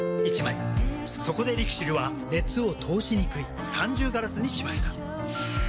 そこでＬＩＸＩＬは熱を通しにくい三重ガラスにしました。